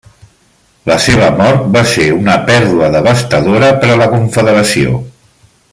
La seva mort va ser una pèrdua devastadora per a la Confederació.